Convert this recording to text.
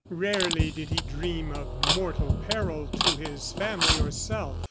Rarely did he dream of mortal peril to his family or self.